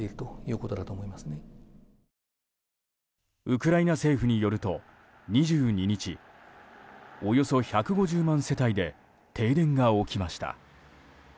ウクライナ政府によると２２日およそ１５０万世帯で停電が起きました。